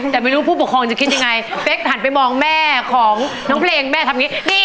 แต่ไม่รู้ผู้ปกครองจะคิดยังไงเป๊กหันไปมองแม่ของน้องเพลงแม่ทำอย่างนี้